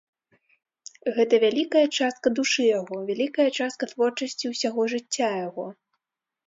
Гэта вялікая частка душы яго, вялікая частка творчасці ўсяго жыцця яго.